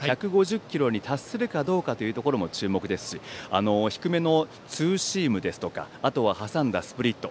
１５０キロに達するかどうかも注目ですし低めのツーシームですとかあとは挟んだスプリット